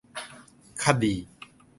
คดี